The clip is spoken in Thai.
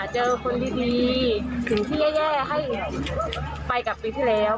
เจอคนดีสิ่งที่แย่ให้ไปกับปีที่แล้ว